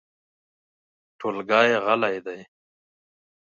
ټولګی غلی دی .